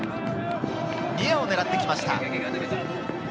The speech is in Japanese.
ニアを狙ってきました。